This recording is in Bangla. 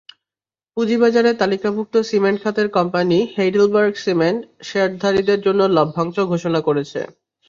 পুঁজিবাজারে তালিকাভুক্ত সিমেন্ট খাতের কোম্পানি হেইডেলবার্গ সিমেন্ট শেয়ারধারীদের জন্য লভ্যাংশ ঘোষণা করেছে।